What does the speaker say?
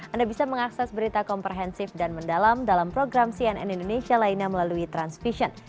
anda bisa mengakses berita komprehensif dan mendalam dalam program cnn indonesia lainnya melalui transvision